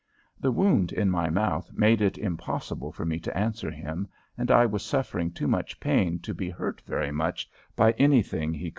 The wound in my mouth made it impossible for me to answer him, and I was suffering too much pain to be hurt very much by anything he could say.